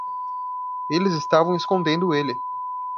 Eles estavam escondendo ele.